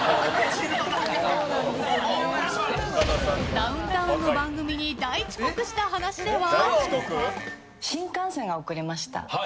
ダウンタウンの番組に大遅刻した話では。